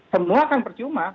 semua akan percuma